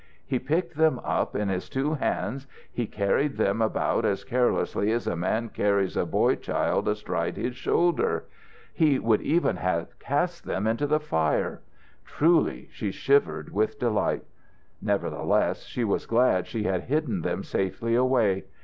He picked them up in his two hands, he carried them about as carelessly as a man carries a boy child astride his shoulder; he would even have cast them into the fire! Truly, she shivered with delight. Nevertheless, she was glad she had hidden them safely away.